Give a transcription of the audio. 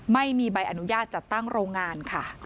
ไม่มีใบอนุญาตจัดตั้งโรงงานค่ะ